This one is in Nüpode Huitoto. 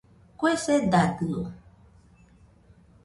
Kue sedadio.